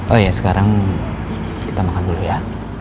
oh ya sekarang kita makan dulu ya